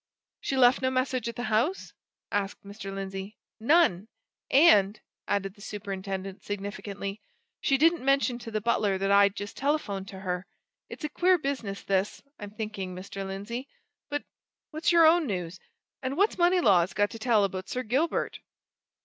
"She left no message at the house?" asked Mr. Lindsey. "None! And," added the superintendent, significantly, "she didn't mention to the butler that I'd just telephoned to her. It's a queer business, this, I'm thinking, Mr. Lindsey. But what's your own news? and what's Moneylaws got to tell about Sir Gilbert?"